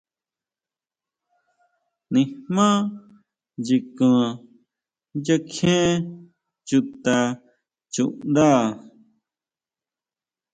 Nijmá nyikan nya kjie chuta chuʼnda.